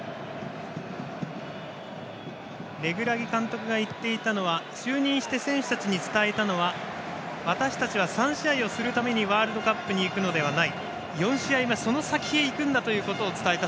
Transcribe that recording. レグラギ監督が言っていたのは就任して選手たちに伝えたのは「私たちは３試合をするためにワールドカップに行くのではない。